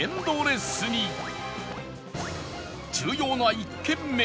重要な１軒目